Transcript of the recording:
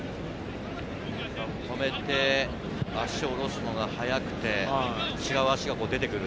止めて足を下ろすのが早くて、違う足が出てくる。